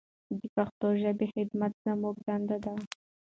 د پښتو ژبې خدمت زموږ دنده ده.